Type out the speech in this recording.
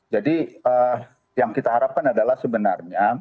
jadi yang kita harapkan adalah sebenarnya